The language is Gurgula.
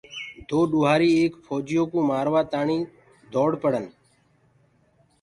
دو ڏوهآريٚ ايڪ ڦوجِيو ڪوُ مآروآ تآڻيٚ دوڙ پڙَن